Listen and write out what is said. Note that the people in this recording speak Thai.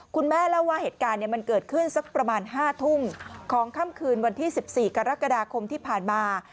คุณแม่เล่าว่าเหตุการณ์มันเกิดขึ้นสักประมาณ๕ทุ่มของค่ำคืนวันที่๑๔กรกฎาคมที่ผ่านมา